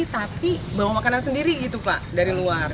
tapi bawa makanan sendiri gitu pak dari luar